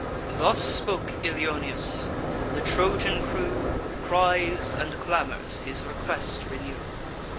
Thus spoke Ilioneus: the Trojan crew With cries and clamours his request renew.